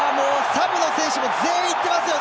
サブの選手も全員行ってますよ